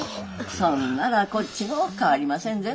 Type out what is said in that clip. そんならこっちも変わりませんぜな。